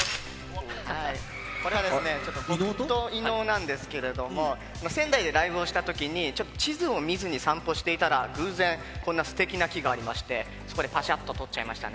これはですね、僕と伊野尾なんですけれども、仙台でライブをしたときに、ちょっと地図も見ずに散歩していたら、偶然、こんなすてきな木がありまして、そこでぱしゃっと撮っちゃいましたね。